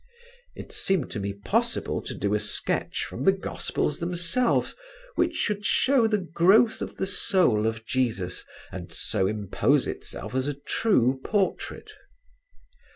It seemed to me possible to do a sketch from the Gospels themselves which should show the growth of the soul of Jesus and so impose itself as a true portrait.